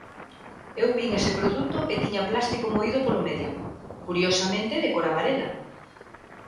Eu vin ese produto e tiña plástico moído polo medio, curiosamente de cor amarela.